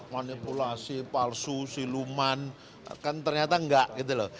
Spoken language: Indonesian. manipulasi palsu siluman kan ternyata enggak gitu loh